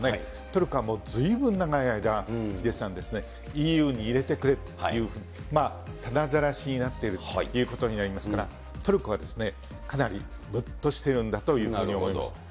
トルコはもうずいぶん長い間、ヒデさん、ＥＵに入れてくれというふうに、たなざらしになっているということになりますから、トルコはかなりむっとしているだというふうに思います。